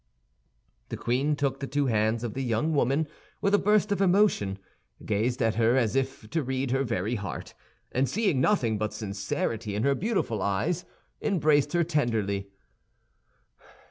The queen took the two hands of the young woman with a burst of emotion, gazed at her as if to read her very heart, and, seeing nothing but sincerity in her beautiful eyes, embraced her tenderly.